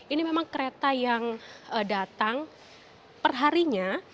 ini memang kereta yang datang perharinya